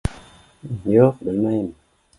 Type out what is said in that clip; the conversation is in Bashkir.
Юҡ белмәйем